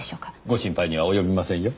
ご心配には及びませんよ。